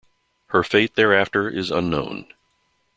Her fate thereafter is unknown.